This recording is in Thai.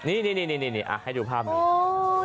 นี่ให้ดูภาพหน่อย